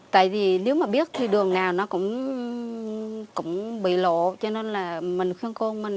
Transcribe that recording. tại vì nếu mà biết thì đường nào nó cũng bị lộ cho nên là mình khuyên cô mình